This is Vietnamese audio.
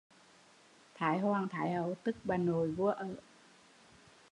Thái Hoàng Thái Hậu tức bà nội vua ở